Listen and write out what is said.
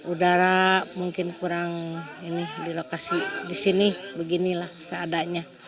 udara mungkin kurang ini di lokasi di sini beginilah seadanya